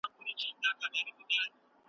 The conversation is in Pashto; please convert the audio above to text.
هم غل هم غمخور .